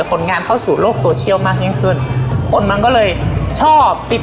ผลงานเข้าสู่โลกโซเชียลมากยิ่งขึ้นคนมันก็เลยชอบติด